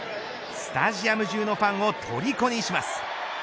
スタジアム中のファンをとりこにします。